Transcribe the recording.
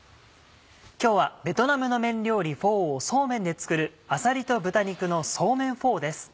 今日はベトナムの麺料理フォーをそうめんで作る「あさりと豚肉のそうめんフォー」です。